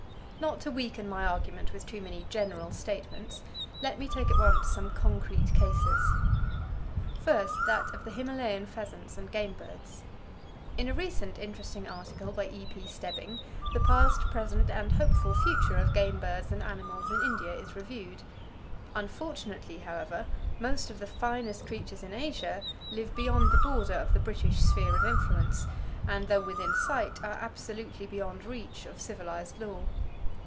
Not to weaken my argument with too many general statements, let me take at once some concrete cases. First, that of the Himalayan pheasants and game birds. In a recent interesting article by E.P. Stebbing [H] the past, present and hoped for future of game birds and animals in India is reviewed. Unfortunately, however, most of the finest creatures in Asia live beyond the border of the British sphere of influence, and though within sight, are absolutely beyond reach of civilized law.